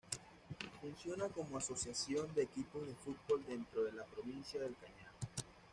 Funciona como asociación de equipos de fútbol dentro de la Provincia del Cañar.